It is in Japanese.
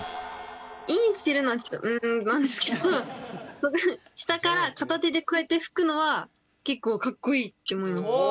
インしてるのはちょっと「うん」なんですけど下から片手でこうやってふくのは結構かっこいいって思いました。